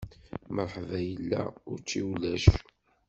Mṛeḥba yella, učči ulac.